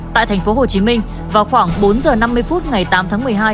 tại thành phố hồ chí minh vào khoảng bốn h năm mươi phút ngày tám tháng một mươi hai